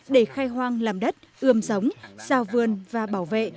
để khai hoang làm đất ươm giống giao vườn và bảo vệ